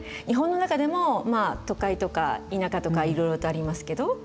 日本の中でもまあ都会とか田舎とかいろいろとありますけど。